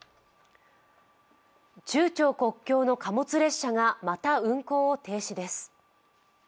中朝国境の貨物列車がまた運行を停止です。